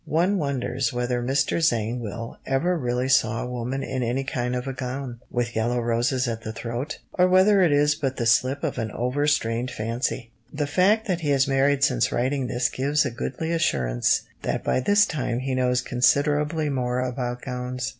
One wonders whether Mr. Zangwill ever really saw a woman in any kind of a gown "with yellow roses at the throat," or whether it is but the slip of an overstrained fancy. The fact that he has married since writing this gives a goodly assurance that by this time he knows considerably more about gowns.